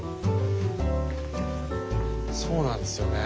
そうなんですよね。